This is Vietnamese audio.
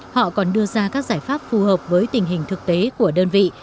họ còn đưa ra các giải pháp phù hợp với tình hình thực tế của đơn vị